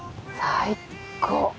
最高。